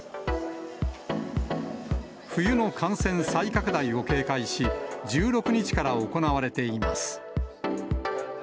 冬の感染再拡大を警戒し、１６日から行われています。